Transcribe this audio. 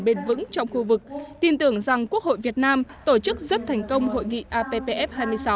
bền vững trong khu vực tin tưởng rằng quốc hội việt nam tổ chức rất thành công hội nghị appf hai mươi sáu